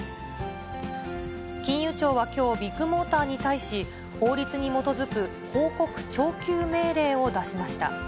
金融庁はきょう、ビッグモーターに対し、法律に基づく報告徴求命令を出しました。